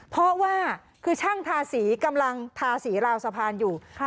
เพราะว่าคือช่างทาสีกำลังทาสีราวสะพานอยู่